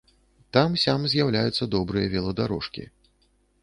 Там-сям з'яўляюцца добрыя веладарожкі.